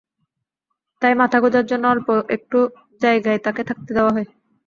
তাই মাথা গোঁজার জন্য অল্প একটু জায়গায় তাঁকে থাকতে দেওয়া হয়।